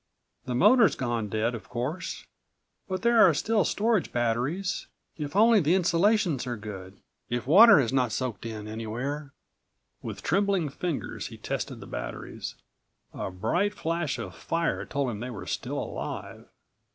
The motor's gone dead, of course, but there are still storage batteries. If only the insulations are good. If water has not soaked in anywhere!" With trembling fingers he tested the batteries. A bright flash of fire told him they were still alive.